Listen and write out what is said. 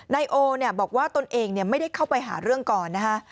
ไนโอเนี่ยบอกว่าตนเองเนี่ยไม่ได้เข้าไปหาเรื่องก่อนนะฮะ